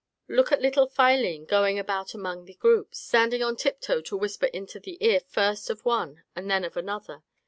Look at little Philene going about among the groups, standing on tiptoe to whisper into the ear first of one and then of another.